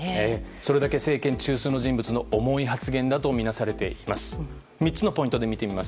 それだけ政権中枢の人物の重い発言だとみなされています。